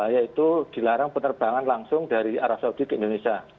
yaitu dilarang penerbangan langsung dari arab saudi ke indonesia